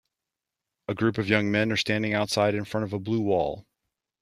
A group of young men are standing outside in front of a blue wall.